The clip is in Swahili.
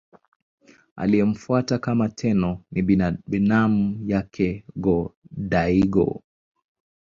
Aliyemfuata kama Tenno ni binamu yake Go-Daigo.